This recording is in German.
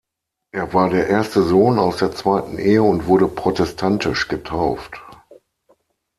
Er war der erste Sohn aus der zweiten Ehe und wurde protestantisch getauft.